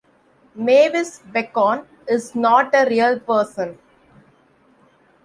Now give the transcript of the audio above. Mavis Beacon is not a real person.